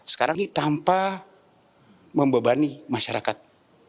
sekarang ini tanpa membebani masyarakat